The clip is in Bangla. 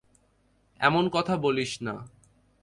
এমন কথা বলিস না।